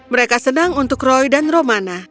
mereka senang untuk roy dan romana